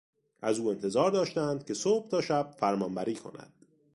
از او انتظار داشتند که صبح تا شب فرمانبری کند.